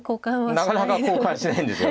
なかなか交換しないんですよ。